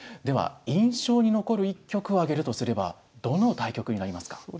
では印象に残る一局を挙げるとすればどの対局になりますか。